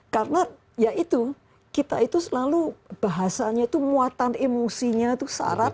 karena ya itu kita itu selalu bahasanya itu muatan emosinya itu syarat